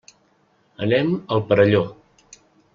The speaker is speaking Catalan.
Anem al Perelló.